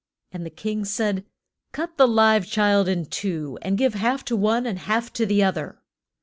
And the king said, Cut the live child in two, and give half to one and half to the oth er.